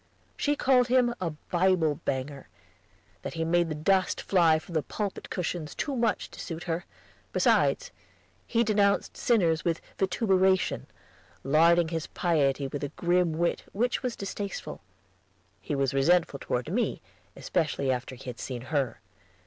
She called him a Bible banger, that he made the dust fly from the pulpit cushions too much to suit her; besides, he denounced sinners with vituperation, larding his piety with a grim wit which was distasteful. He was resentful toward me, especially after he had seen her.